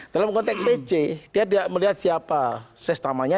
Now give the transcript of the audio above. dalam konteks pj dia tidak melihat siapa sestamanya